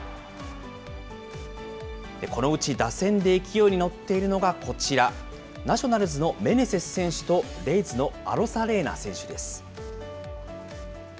このうち打線で勢いに乗っているのがこちら、ナショナルズのメネセス選手と、レイズのアロサレーナ選手です。